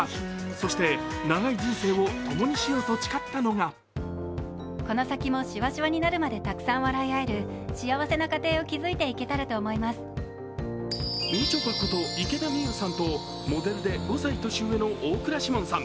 そして長い人生をともにしようと誓ったのがみちょぱこと池田美優さんとモデルで５歳年上の大倉士門さん。